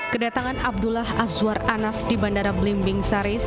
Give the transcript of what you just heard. kedatangan abdullah azwar anas di bandara belimbing saris